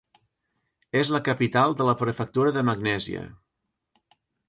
És la capital de la prefectura de Magnèsia.